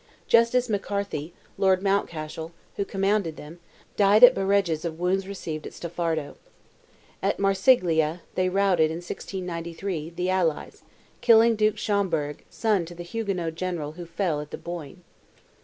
Justin McCarthy, Lord Mountcashel, who commanded them, died at Bareges of wounds received at Staffardo. At Marsiglia, they routed, in 1693, the allies, killing Duke Schomberg, son to the Huguenot general who fell at the Boyne.